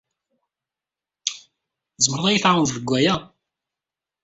Tzemreḍ ad iyi-tɛawneḍ deg waya?